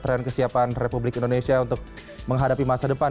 tren kesiapan republik indonesia untuk menghadapi masa depan